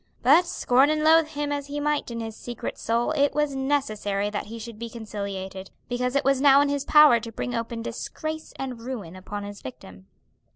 But scorn and loathe him as he might in his secret soul, it was necessary that he should be conciliated, because it was now in his power to bring open disgrace and ruin upon his victim.